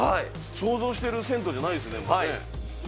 想像してる銭湯じゃないですね。